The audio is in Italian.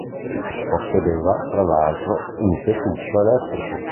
Possedeva, tra l'altro, un tettuccio elettrico.